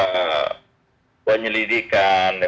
saya akan menyelidikan